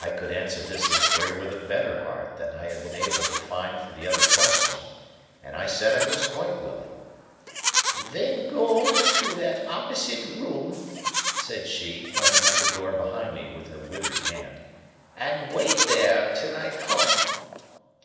I could answer this inquiry with a better heart than I had been able to find for the other question, and I said I was quite willing. "Then go into that opposite room," said she, pointing at the door behind me with her withered hand, "and wait there till I come."